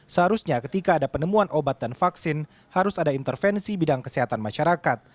seharusnya ketika ada penemuan obat dan vaksin harus ada intervensi bidang kesehatan masyarakat